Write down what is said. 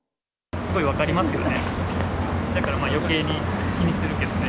すごい分かりますよね。